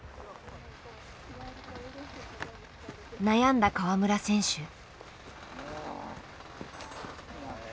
悩んだ川村選手。